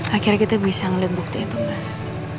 akhirnya kita bisa melihat bukti itu mas